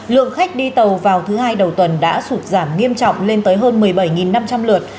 lượng khách đi tàu vào thứ hai đầu tuần đã sụt giảm nghiêm trọng lên tới hơn một mươi bảy năm trăm linh lượt